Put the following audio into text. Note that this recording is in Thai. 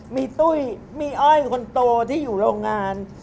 มีตุ้ยมีอ้อยคนโตที่อยู่โรงงาน